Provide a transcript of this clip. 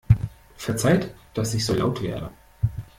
Verzeiht, dass ich so laut werde!